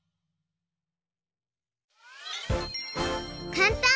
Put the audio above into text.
かんたん！